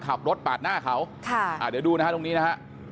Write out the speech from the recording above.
ไอ้พี่นายใครอยู่หน้าครูซีอ่ะ